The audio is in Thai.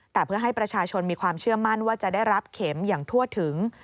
แต่เพื่อให้ประชาชนมีความเชื่อมั่นว่าจะได้รับเข็มอย่างทั่วถึง